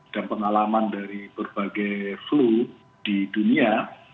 dan pengalaman dari berbagai flu di dunia